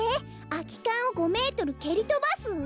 「空き缶を５メートル蹴りとばす」？